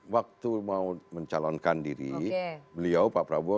waktu mau mencalonkan diri beliau pak prabowo